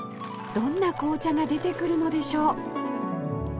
どんな紅茶が出てくるのでしょう？